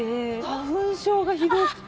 花粉症がひどくて。